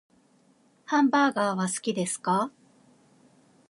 ハンバーガーは好きですか？